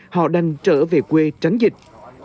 họ đang trở về quê tránh dịch